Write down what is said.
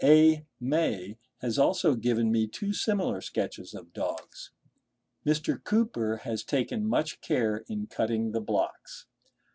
A. May has also given me two similar sketches of dogs. Mr. Cooper has taken much care in cutting the blocks.